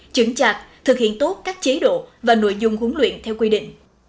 chứng chặt thực hiện tốt các chế độ và nội dung huấn luyện theo quy định